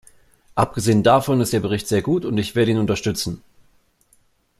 Abgesehen davon ist der Bericht sehr gut, und ich werde ihn unterstützen.